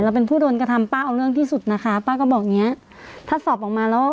เป็นผู้โดนกระทำป้าเอาเรื่องที่สุดนะคะป้าก็บอกอย่างเงี้ยถ้าสอบออกมาแล้ว